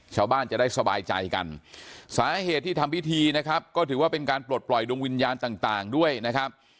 ชาวบ้านจะได้สบายใจกันสาเหตุที่ทำพิธีนะครับก็ถือว่าเป็นการปลดปล่อยดวงวิญญาณต่างด้วยนะครับ